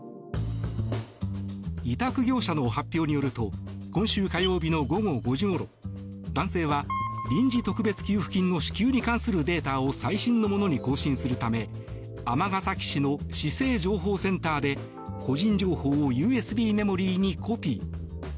委託業者の発表によると今週火曜日の午後５時ごろ男性は、臨時特別給付金の支給に関するデータを最新のものに更新するため尼崎市の市政情報センターで個人情報をＵＳＢメモリーにコピー。